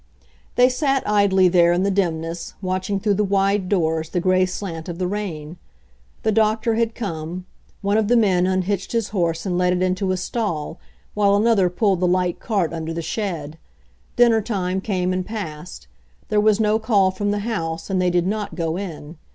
They sat idly there in the dimness, watching through the wide doors the gray slant of the rain. The doctor had come ; one of the men unhitched his horse and led it into a stall, while another pulled the light cart under the shed. Dinner time came and passed. There was no call from the house, and they did not go in.